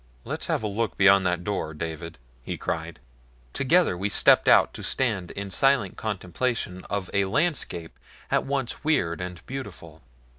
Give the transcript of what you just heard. "Let's have a look beyond that door, David," he cried. Together we stepped out to stand in silent contemplation of a landscape at once weird and beautiful.